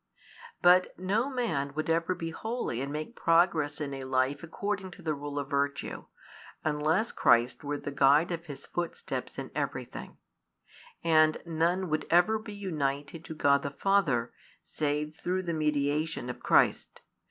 But no man would ever be holy and make progress in a life according to the rule of virtue, unless Christ were the guide of his footsteps in everything: and none would ever be united to God the Father save through the mediation of Christ.